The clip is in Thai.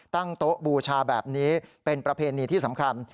ตั้งโต๊ะบูชาแบบนี้เป็นประเพณีที่สำคัญ